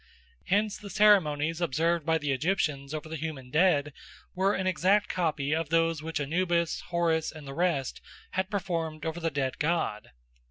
Hence the ceremonies observed by the Egyptians over the human dead were an exact copy of those which Anubis, Horus, and the rest had performed over the dead god.